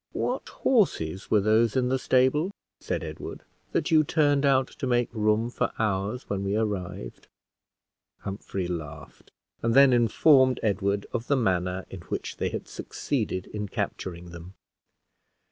"What horses were those in the stable," said Ed ward, "that you turned out to make room for ours when we arrived?" Humphrey laughed, and then informed Edward of the manner in which they had succeeded in capturing them.